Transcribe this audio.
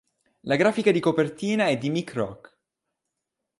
La grafica di copertina è di Mick Rock.